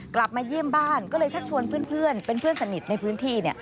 กลับมาเยี่ยมบ้านก็เลยชักชวนเพื่อนเป็นเพื่อนสนิทในพื้นที่